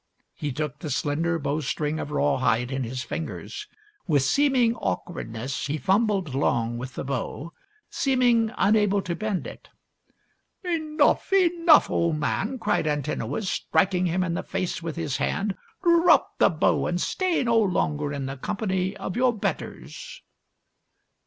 He took the slender bowstring of rawhide in his fingers. With seeming awkwardness he fumbled long with the bow, seeming unable to bend it. " Enough ! enough, old man !" cried Antinous, strik ing him in the face with his hand. " Drop the bow, and stay no longer in the company of your betters."